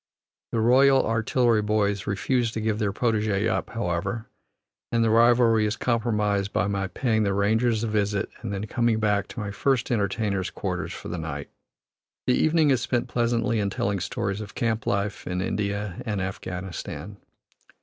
The Royal Artillery boys refuse to give their protege up, however, and the rivalry is compromised by my paying the Rangers a visit and then coming back to my first entertainers' quarters for the night. The evening is spent pleasantly in telling stories of camp life in India and Afghanistan.